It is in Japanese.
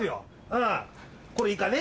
うんこれイカね。